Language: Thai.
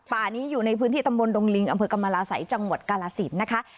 ป่านี้อยู่ในพื้นที่ตำบลดงลิงอำเภอกรรมราศัยจังหวัดกาลสินนะคะ